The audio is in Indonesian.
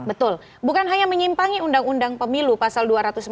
betul bukan hanya menyimpangi undang undang pemilu pasal dua ratus empat puluh